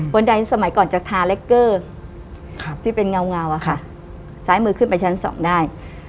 ใดสมัยก่อนจะทาแลคเกอร์ที่เป็นเงาอะค่ะซ้ายมือขึ้นไปชั้นสองได้